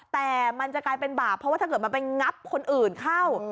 แต่มันจะกลายเป็นบาปเพราะว่าถ้าเกิดมันไปงับคนอื่นเข้า